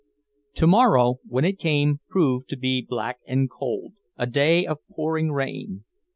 Tomorrow, when it came, proved to be black and cold, a day of pouring rain.